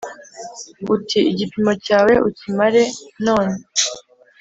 Uti : Igipimo cyawe ukimare none.